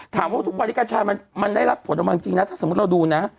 ถามวัตถิกับชายได้รับผลบางจริงนะถ้าสมมุติเราดูนะ